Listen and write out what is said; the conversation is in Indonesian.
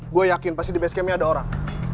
gue yakin pasti di basecampnya ada orang